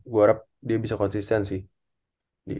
gue harap dia bisa konsisten sih